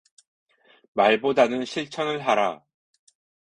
말보다는 실천을 하라